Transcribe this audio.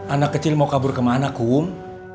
anak kecil mau kabur kemana kum